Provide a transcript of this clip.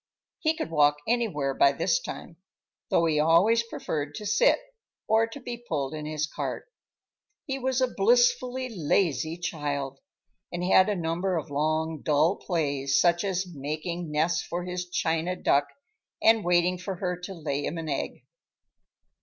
He could walk anywhere by this time—though he always preferred to sit, or to be pulled in his cart. He was a blissfully lazy child, and had a number of long, dull plays, such as making nests for his china duck and waiting for her to lay him an egg.